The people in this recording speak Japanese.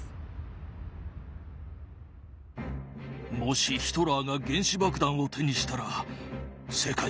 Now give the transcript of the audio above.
もしヒトラーが原子爆弾を手にしたら世界は終わりだ。